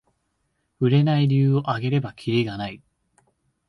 売れない理由をあげればキリがない